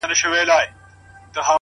ياره وس دي نه رسي ښكلي خو ســرزوري دي ـ